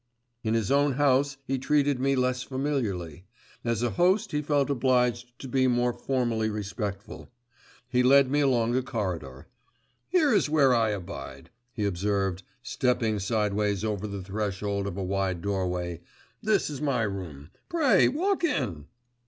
In his own house he treated me less familiarly; as a host he felt obliged to be more formally respectful. He led me along a corridor. 'Here is where I abide,' he observed, stepping sideways over the threshold of a wide doorway, 'this is my room. Pray walk in!